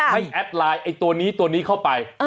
ให้แอปไลน์ไอ้ตัวนี้เข้าไป